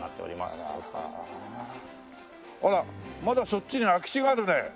まだそっちに空き地があるね。